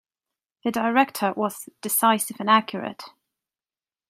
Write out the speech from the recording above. The Director was decisive and accurate.